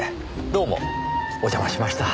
どうもお邪魔しました。